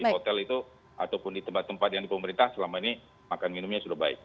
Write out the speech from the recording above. di hotel itu ataupun di tempat tempat yang di pemerintah selama ini makan minumnya sudah baik